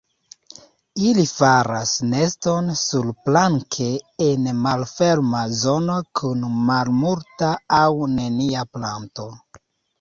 Ili faras neston surplanke en malferma zono kun malmulta aŭ nenia planto.